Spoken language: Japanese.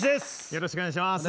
よろしくお願いします。